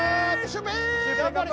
頑張れ！